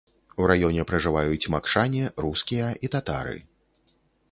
У раёне пражываюць макшане, рускія і татары.